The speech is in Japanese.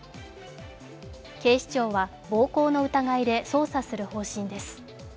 警視庁は暴行の疑いで捜査する方針です。